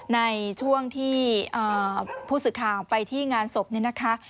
ในช่วงที่ผู้สื่อข่าวไปที่งานศพเนี่ยนะคะ